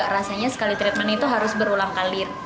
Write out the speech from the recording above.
rasanya sekali treatment itu harus berulang kali